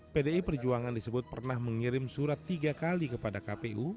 pdi perjuangan disebut pernah mengirim surat tiga kali kepada kpu